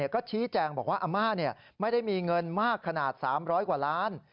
ก็ชี้แจงบอกว่าอาม่าไม่ได้มีเงินมากขนาด๓๐๐กว่าล้าน